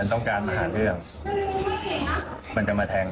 ต้องการมาหาเรื่องมันจะมาแทง